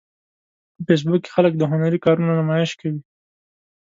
په فېسبوک کې خلک د هنري کارونو نمایش کوي